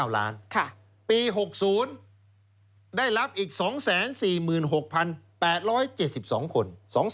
ปี๖๐ได้รับอีก๒๔๖๘๗๒คน